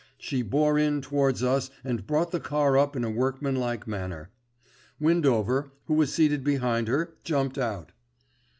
She bore in towards us and brought the car up in a workmanlike manner. Windover, who was seated behind her, jumped out.